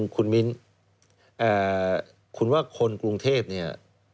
คุณมิ้นคุณว่าคนกรุงเทพเนี่ย